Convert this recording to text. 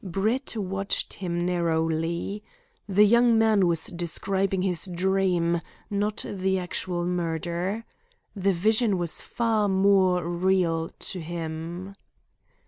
Brett watched him narrowly. The young man was describing his dream, not the actual murder. The vision was far more real to him.